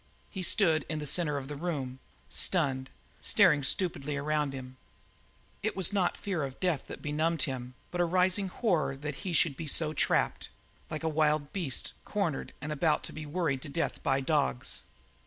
He stood in the centre of the room, stunned, staring stupidly around him. It was not fear of death that benumbed him, but a rising horror that he should be so trapped like a wild beast cornered and about to be worried to death by dogs.